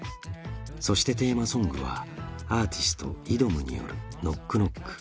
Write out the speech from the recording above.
そしてテーマソングはアーティストｉｄｏｍによる「ＫｎｏｃｋＫｎｏｃｋ」